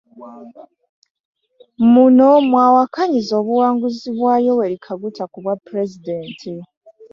Muno mw'awakanyiza obuwanguzi bwa Yoweri Kaguta ku bwapulezidenti.